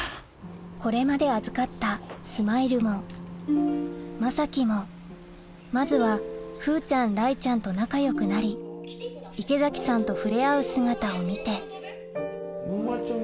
これまで預かったスマイルもまさきもまずは風ちゃん雷ちゃんと仲よくなり池崎さんと触れ合う姿を見てまちゃん。